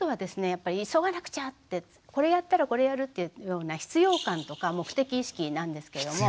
やっぱり「急がなくちゃ！」ってこれやったらこれやるっていうような必要感とか目的意識なんですけれども。